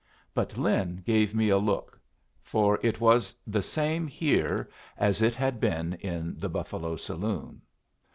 But Lin gave me a look; for it was the same here as it had been in the Buffalo saloon.